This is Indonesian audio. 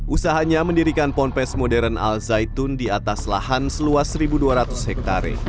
usahanya mendirikan ponpes modern al zaitun di atas lahan seluas satu dua ratus hektare